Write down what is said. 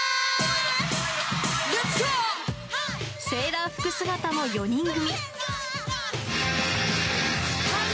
セーラー服姿の４人組。